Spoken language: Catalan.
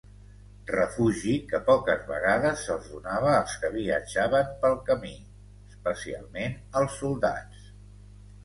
Refugi que poques vegades se'ls donava als que viatjaven pel camí, especialment als soldats.